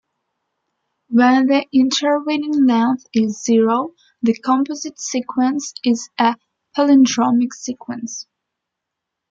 When the intervening length is zero, the composite sequence is a palindromic sequence.